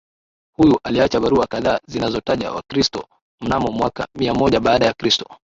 huyu aliacha barua kadhaa zinazotaja Wakristo mnamo mwaka miamoja baada ya kristo